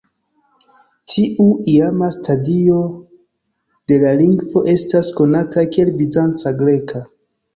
Tiu iama stadio de la lingvo estas konata kiel bizanca greka.